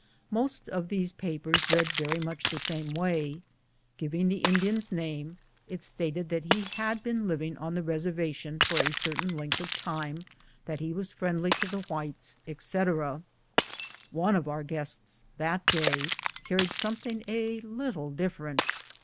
Most of tliese papers read very much the same way. Giving the Indian's name, it stat ed that he had been living on the reservation for a cer tain length of time, that he was friendly to the whites, etc. One of our guests that day carried something a little different.